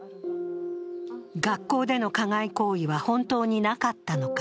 学校での加害行為は本当になかったのか。